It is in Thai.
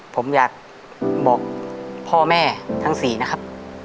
ผมอยากบอกพ่อแม่ทั้ง๔นะครับ